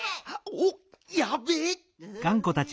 おっやべえ。